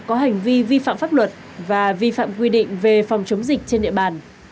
có hành vi vi phạm pháp luật và vi phạm quy định về phòng chống dịch trên địa bàn